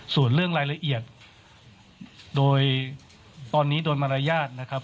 ส่วนเรื่องรายละเอียดโดยตอนนี้โดยมารยาทนะครับ